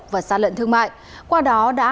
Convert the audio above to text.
và xa lận thương mại qua đó đã